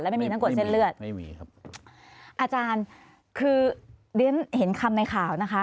ไม่มีทั้งกดเส้นเลือดไม่มีครับอาจารย์คือเรียนเห็นคำในข่าวนะคะ